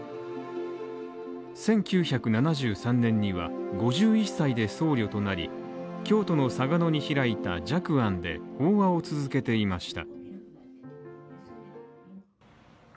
１９７３年には５１歳で僧侶となり、京都の嵯峨野に開いた寂庵で法話を続けていました。